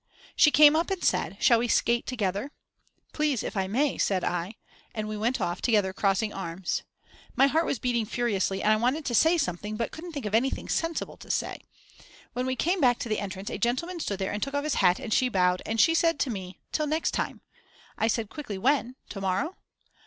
She came up and said: Shall we skate together? Please, if I may, said I, and we went off together crossing arms. My heart was beating furiously, and I wanted to say something, but couldn't think of anything sensible to say. When we came back to the entrance a gentleman stood there and took off his hat and she bowed, and she said to me: Till next time. I said quickly: When? Tomorrow?